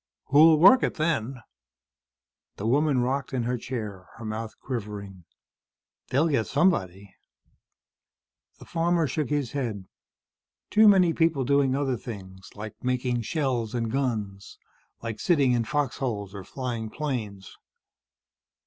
"Who'll work it then?" The woman rocked in her chair, her mouth quivering. "They'll get somebody." The farmer shook his head. "Too many people doing other things, like making shells and guns, like sitting in fox holes or flying planes."